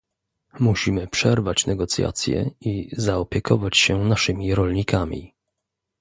Musimy przerwać negocjacje i zaopiekować się naszymi rolnikami